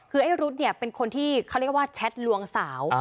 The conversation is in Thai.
คือไอ้รุ๊ดเนี่ยเป็นคนที่เขาเรียกว่าแชทลวงสาว